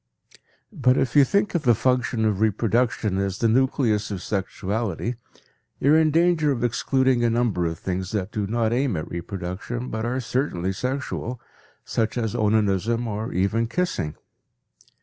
But if you think of the function of reproduction as the nucleus of sexuality you are in danger of excluding a number of things that do not aim at reproduction but are certainly sexual, such as onanism or even kissing.